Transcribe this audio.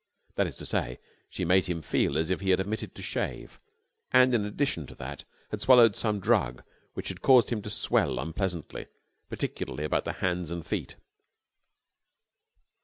That is to say, she made him feel as if he had omitted to shave, and, in addition to that, had swallowed some drug which had caused him to swell unpleasantly, particularly about the hands and feet.